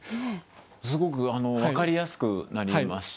すごく分かりやすくなりましたね。